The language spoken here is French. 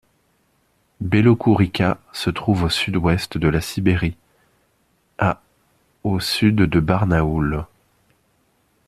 Belokourikha se trouve au sud-ouest de la Sibérie, à au sud de Barnaoul.